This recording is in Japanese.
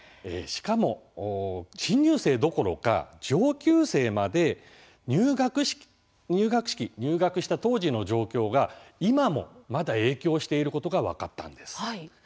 しかも、新入生どころか上級生まで入学式入学した当時の状況が今も、まだ影響していることが分かったんです。